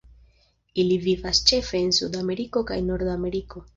Ili vivas ĉefe en Sudameriko kaj Nordameriko.